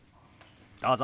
どうぞ。